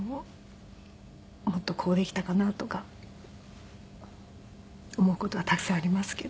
もっとこうできたかなとか思う事はたくさんありますけど。